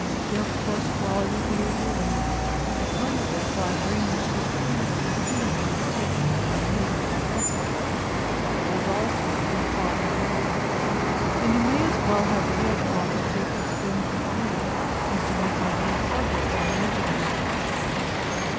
Your perverse folly will be your ruin: I tell you this, that I am very much displeased with the freedoms you have taken with my name to my housekeeper, as also to your father and mother; and you may as well have real cause to take these freedoms with me, as to make my name suffer for imaginary ones.